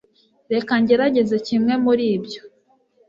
reka ngerageze kimwe muri ibyo